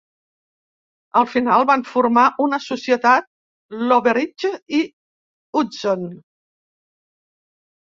Al final van formar una societat, Loveridge i Hudson.